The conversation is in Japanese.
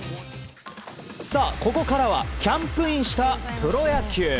ここからはキャンプインしたプロ野球。